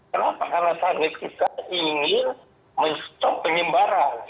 kenapa karena saat ini kita ingin mencetak penyimbaran